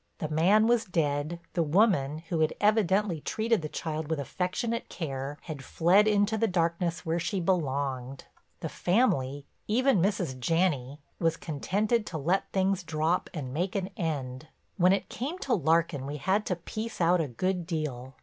The man was dead, the woman, who had evidently treated the child with affectionate care, had fled into the darkness where she belonged. The family, even Mrs. Janney, was contented to let things drop and make an end. When it came to Larkin we had to piece out a good deal.